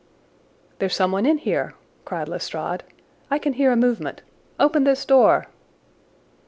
"There's someone in here," cried Lestrade. "I can hear a movement. Open this door!"